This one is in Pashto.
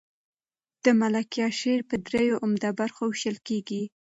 د ملکیار شعر په دریو عمده برخو وېشل کېږي.